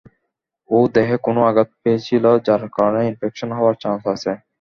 ও দেহে কোনও আঘাত পেয়েছিল যার কারণে ইনফেকশন হওয়ার চান্স আছে?